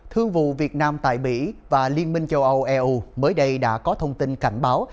thương vụ việt nam tại mỹ và liên minh châu âu eu mới đây đã có thông tin cảnh báo